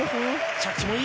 着地もいい！